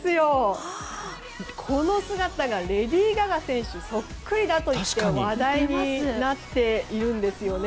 この姿がレディー・ガガ選手そっくりだったと話題になっているんですよね。